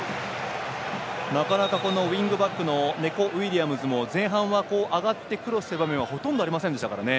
なかなかウィングバックのネコ・ウィリアムズも前半は上がってクロスという場面はほとんどありませんでしたからね。